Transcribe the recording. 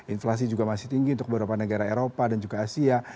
inflasi juga masih tinggi untuk beberapa negara eropa dan juga asia